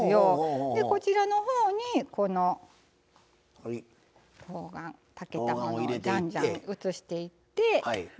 こちらのほうにこのとうがん炊けたものをじゃんじゃん移していって。